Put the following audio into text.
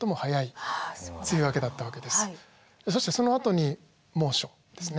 そしてそのあとに猛暑ですね。